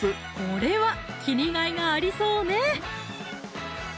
これは切りがいがありそうね！